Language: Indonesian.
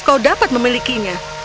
kau dapat memilikinya